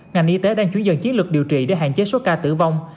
ngành y tế đang chuyển dần chiến lược điều trị để hạn chế số ca tử vong